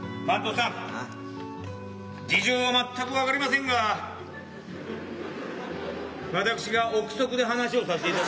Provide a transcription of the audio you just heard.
番頭さん事情はまったく分かりませんが私が憶測で話をさせて。